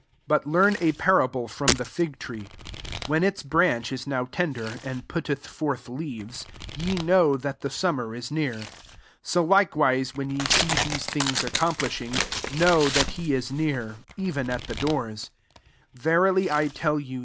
28 " But learn a parable from the fig tree: when its branch is now tender, and put teth forth leaves, ye know that the summer is near: 29 so like* wise when ye see these things accomplishing, know that ke is near, even at the doors. SO Verily I tell you.